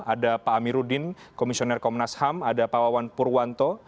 ada pak amiruddin komisioner komnas ham ada pak wawan purwanto